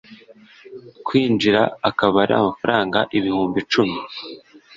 kwinjira akaba ari amafaranga ibihumbi icumi ( frw)